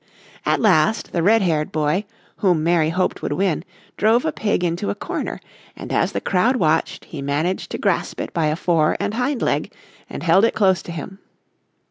At last the red haired boy, whom Mary hoped would win, drove a pig into a corner, and as the crowd watched he managed to grasp it by a fore and hind leg and held it close to him.